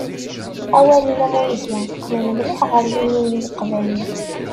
Awalen am wigi, qqnen mliḥ ɣer limin n Leqbayel.